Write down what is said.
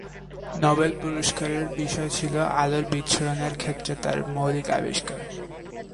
Nobel পুরস্কারের বিষয় ছিল আলোর বিচ্ছুরণের ক্ষেত্রে তাঁর মৌলিক আবিষ্কার।